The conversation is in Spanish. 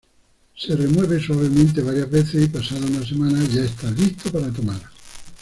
Se remueve suavemente varias veces y pasada una semana ya está listo para tomar.